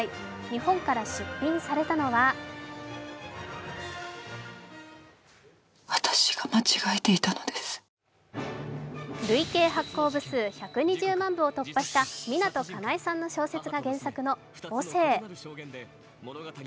日本から出品されたのは累計発行部数１２０万部を突破した湊かなえさんの小説が原作の「母性」。